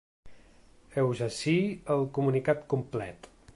Heus ací el comunicat complet.